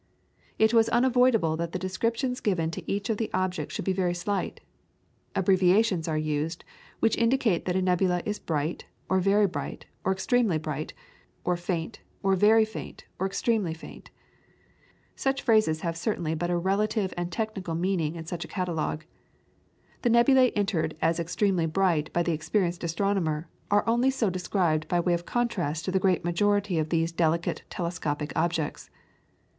It was unavoidable that the descriptions given to each of the objects should be very slight. Abbreviations are used, which indicate that a nebula is bright, or very bright, or extremely bright, or faint, or very faint, or extremely faint. Such phrases have certainly but a relative and technical meaning in such a catalogue. The nebulae entered as extremely bright by the experienced astronomer are only so described by way of contrast to the great majority of these delicate telescopic objects.